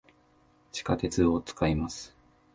地下鉄を、使います。